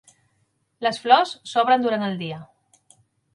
Les flors s'obren durant el dia.